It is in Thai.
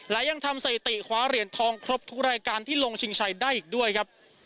และยังทำสถิติคว้าเหรียญทองครบทุกรายการที่ลงชิงชัยได้อีกด้วยครับ